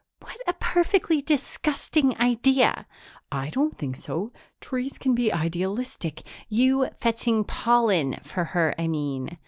"What a perfectly disgusting idea!" "I don't think so. Trees can be idealistic " "You fetching pollen for her, I mean.